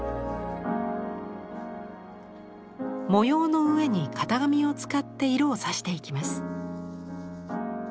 模様の上に型紙を使って色をさしていきます。